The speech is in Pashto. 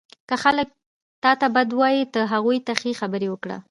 • که خلک تا ته بد وایي، ته هغوی ته ښې خبرې وکړه.